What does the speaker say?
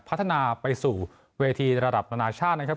พัฒนาไปสู่เวทีระดับนานาชาตินะครับ